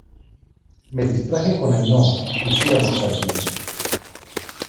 me distraje con Ainhoa y fui a buscar bridas